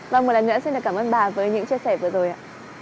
và một lần nữa xin cảm ơn bà với những chia sẻ vừa rồi ạ